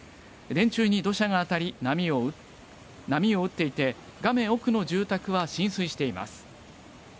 電柱に土砂が当たり、波を打っていて、画面奥の住宅は浸水しています。